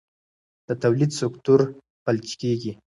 د تولید سکتور فلج کېږي.